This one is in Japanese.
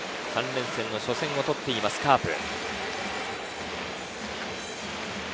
３連戦の初戦を取っているカープ。